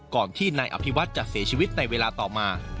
ก่อนที่นายอภิวัฒน์จะเสียชีวิตในเวลาต่อมา